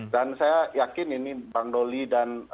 dan saya yakin ini bang doli dan